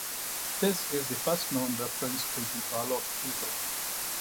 This is the first known reference to the Baloch people.